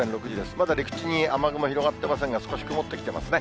まだ陸地に雨雲広がってませんが、少し曇ってきてますね。